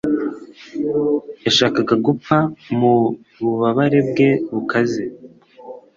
yashakaga gupfa mu bubabare bwe bukaze